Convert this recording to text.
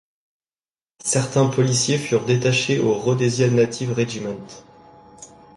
Certains policiers furent détachés au Rhodesia Native Regiment.